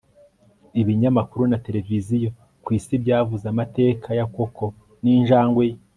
Ibinyamakuru na tereviziyo ku isi byavuze amateka ya Koko ninjangwe ye